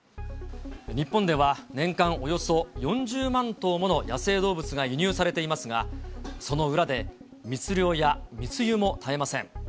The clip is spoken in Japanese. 日本では、年間およそ４０万頭もの野生動物が輸入されていますが、その裏で、密猟や密輸も絶えません。